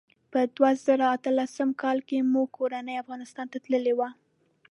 په دوه زره اتلسم کال کې موږ کورنۍ افغانستان ته تللي وو.